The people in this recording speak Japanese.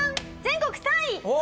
全国３位！